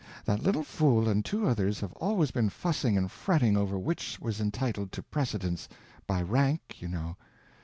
That little fool and two others have always been fussing and fretting over which was entitled to precedence—by rank, you know.